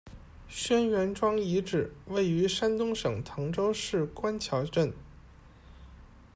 轩辕庄遗址，位于山东省滕州市官桥镇。